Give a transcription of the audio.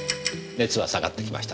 熱は下がってきました。